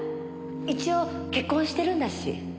一応結婚してるんだし。